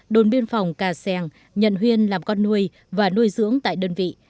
đồn biên phòng cà seng nhận huyên làm con nuôi và nuôi dưỡng tại đơn vị